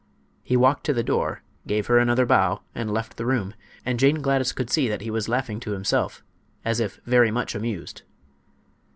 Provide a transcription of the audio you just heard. He walked to the door, gave her another bow, and left the room, and Jane Gladys could see that he was laughing to himself as if very much amused.